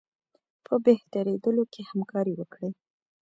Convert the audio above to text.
په بهترېدلو کې همکاري وکړي.